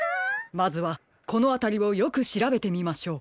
まずはこのあたりをよくしらべてみましょう。